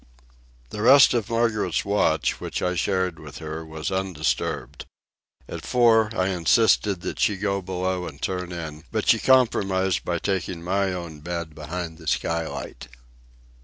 The rest of Margaret's watch, which I shared with her, was undisturbed. At four I insisted that she go below and turn in, but she compromised by taking my own bed behind the skylight.